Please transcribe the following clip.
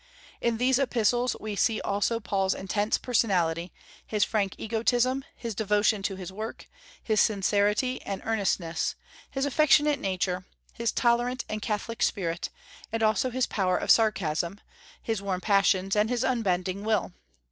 In these epistles we see also Paul's intense personality, his frank egotism, his devotion to his work, his sincerity and earnestness, his affectionate nature, his tolerant and catholic spirit, and also his power of sarcasm, his warm passions, and his unbending will.